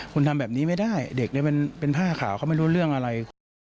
คุณทำแบบนี้ไม่ได้เด็กเป็นผ้าขาวเขาไม่รู้เรื่องอะไร